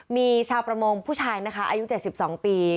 มีชาวประมงผู้ชายนะคะอายุ๗๒ปี